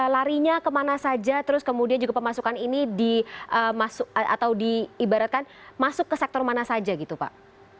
larinya kemana saja terus kemudian juga pemasukan ini atau diibaratkan masuk ke sektor mana saja gitu pak